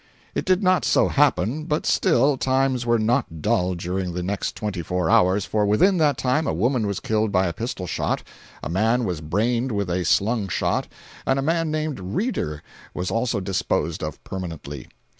It did not so happen, but still, times were not dull during the next twenty four hours, for within that time a woman was killed by a pistol shot, a man was brained with a slung shot, and a man named Reeder was also disposed of permanently.